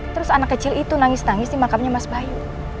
terus anak kecil itu nangis nangis di makamnya mas bayu